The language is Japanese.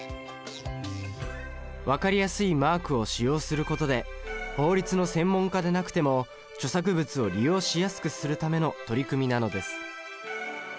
分かりやすいマークを使用することで法律の専門家でなくても著作物を利用しやすくするための取り組みなのです。